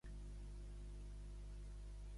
Què hi ha al carrer de Lázaro Cárdenas número setze?